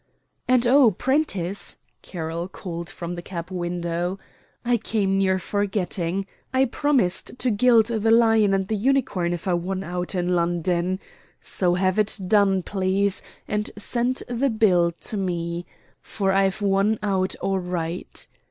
"And, oh, Prentiss!" Carroll called from the cab window. "I came near forgetting. I promised to gild the Lion and the Unicorn if I won out in London. So have it done, please, and send the bill to me. For I've won out all right."